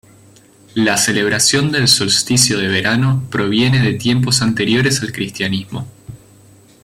La celebración del solsticio de verano proviene de tiempos anteriores al cristianismo.